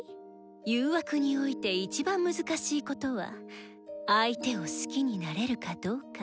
誘惑において一番難しいことは相手を好きになれるかどうか。